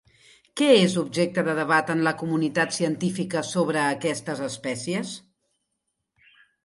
Què és objecte de debat en la comunitat científica sobre aquestes espècies?